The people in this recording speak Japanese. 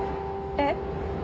えっ？